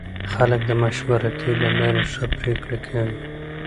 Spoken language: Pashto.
خلک د مشورې له لارې ښه پرېکړې کوي